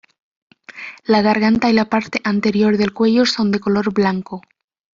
La garganta y la parte anterior del cuello son de color blanco.